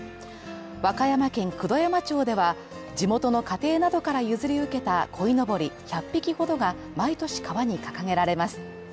和歌山県九度山町では地元の家庭などから譲り受けたこいのぼり１００匹ほどが毎年、川に掲げられます。